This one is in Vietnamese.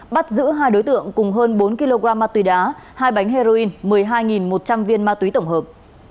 bắt giữ hai đối tượng cùng hơn bốn kg ma túy đá hai bánh heroin một mươi hai một trăm linh viên ma túy tổng hợp